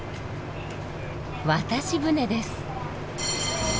渡し船です。